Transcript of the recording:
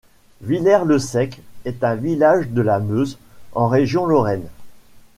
Villers-le-Sec est un village de la Meuse, en région Lorraine.